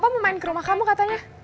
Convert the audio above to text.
kamu mau main ke rumah kamu katanya